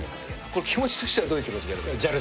これ気持ちとしてはどういう気持ちでやればいいの？